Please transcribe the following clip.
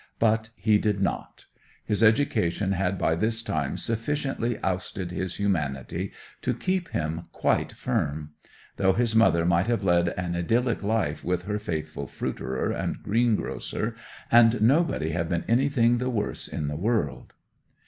But he did not. His education had by this time sufficiently ousted his humanity to keep him quite firm; though his mother might have led an idyllic life with her faithful fruiterer and greengrocer, and nobody have been anything the worse in the world.